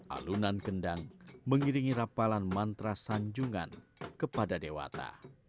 alunan kendang mengiringi rapalan mantra sanjungan kepada dewata